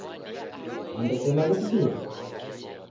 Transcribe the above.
Nambe sena ni kiding’a